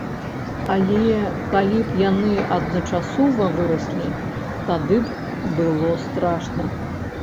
Але калі б яны адначасова выраслі, тады б было страшна.